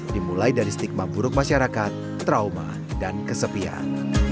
dimulai dari stigma buruk masyarakat trauma dan kesepian